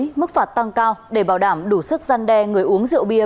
nghị định xử phạt tăng cao để bảo đảm đủ sức giăn đe người uống rượu bia